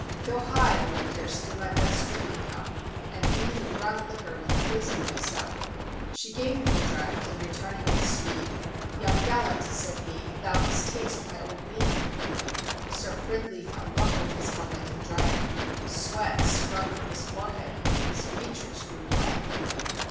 "Fill high, little Kirstin, my best drinking cup, And be the brown liquor with poison mixt up." She gave him the draught, and returning with speed, "Young gallant," said he, "thou must taste my old mead." Sir Fridleif unbuckled his helmet and drank; Sweat sprung from his forehead his features grew blank.